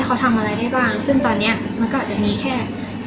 เขาทำอะไรได้บ้างซึ่งตอนเนี้ยมันก็อาจจะมีแค่